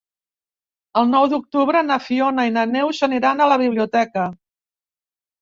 El nou d'octubre na Fiona i na Neus aniran a la biblioteca.